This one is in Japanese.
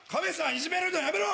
いじめるのやめろ！